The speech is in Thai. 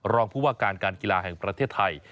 รองผู้ว่าการการกีฬาแห่งประเทศไทย